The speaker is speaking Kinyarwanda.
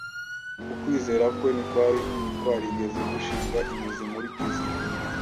Ukwizera kwe ntikwari kwarigeze gushinga imizi muri Kristo